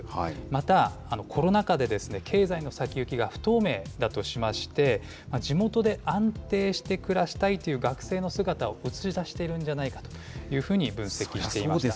また、コロナ禍で経済の先行きが不透明だとしまして、地元で安定して暮らしたいという学生の姿を映し出しているんじゃないかというふうに分析していました。